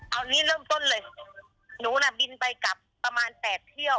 หนูบินไปกับประมาณ๘เที่ยว